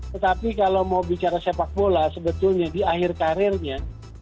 tetapi kalau mau bicara sepak bola sebetulnya di akhir karirnya